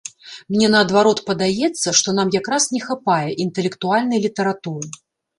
Мне, наадварот, падаецца, што нам як раз не хапае інтэлектуальнай літаратуры.